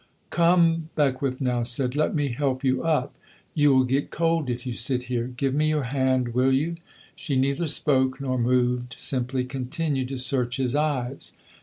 "Come," Beckwith now said, "let me help you up. You will get cold if you sit here. Give me your hand, will you?" She neither spoke nor moved; simply continued to search his eyes.